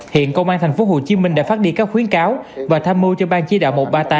hiện công an tp hcm đã phát đi các khuyến cáo và tham mưu cho ban chỉ đạo một trăm ba mươi tám